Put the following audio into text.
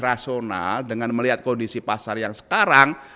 rasional dengan melihat kondisi pasar yang sekarang